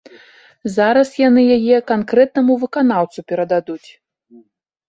Зараз яны яе канкрэтнаму выканаўцу перададуць.